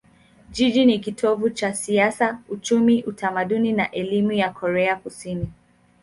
Jiji ni kitovu cha siasa, uchumi, utamaduni na elimu ya Korea Kusini.